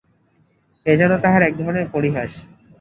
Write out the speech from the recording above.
এ যেন তাহার একধরনের পরিহাস।